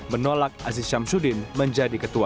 menolak aziz syamsuddin menjadi ketua